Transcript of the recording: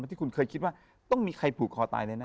ที่คุณเคยคิดว่าต้องมีใครผูกคอตายเลยนะ